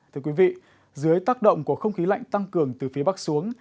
thưa quý vị dưới tác động của không khí lạnh tăng cường từ phía bắc xuống